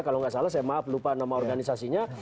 kalau nggak salah saya maaf lupa nama organisasinya